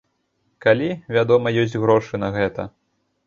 Калі, вядома, ёсць грошы на гэта.